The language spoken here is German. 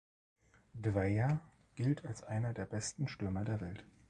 Dwyer gilt als einer der besten Stürmer der Welt.